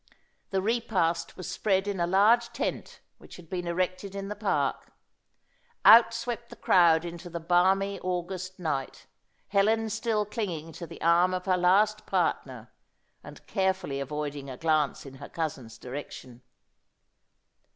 The repast was spread in a large tent which had been erected in the park. Out swept the crowd into the balmy August night, Helen still clinging to the arm of her last partner, and carefully avoiding a glance in her cousin's direction.